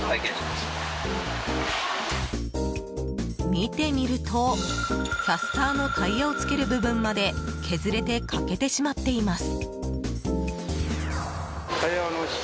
見てみると、キャスターのタイヤを付ける部分まで削れて欠けてしまっています。